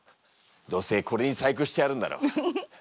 どうせこれに細工してあるんだろ。